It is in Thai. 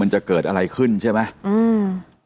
มันจะเกิดอะไรขึ้นใช่ไหม